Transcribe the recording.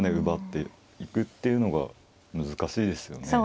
奪っていくっていうのが難しいですよね。